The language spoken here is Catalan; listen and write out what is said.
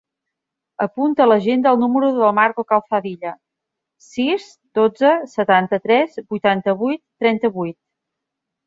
Apunta a l'agenda el número del Marco Calzadilla: sis, dotze, setanta-tres, vuitanta-vuit, trenta-vuit.